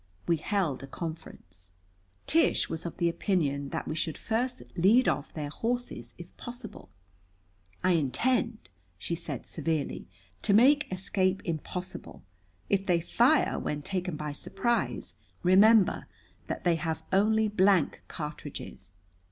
We held a conference. Tish was of the opinion that we should first lead off their horses, if possible. "I intend," she said severely, "to make escape impossible. If they fire, when taken by surprise, remember that they have only blank cartridges.